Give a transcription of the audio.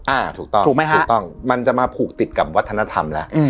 อ่าถูกต้องถูกไหมฮะถูกต้องมันจะมาผูกติดกับวัฒนธรรมแล้ว